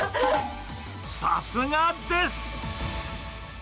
さすがです！